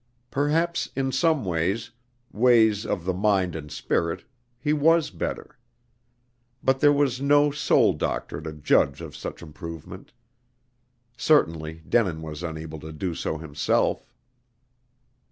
Perhaps in some ways ways of the mind and spirit he was better. But there was no soul doctor to judge of such improvement. Certainly Denin was unable to do so himself.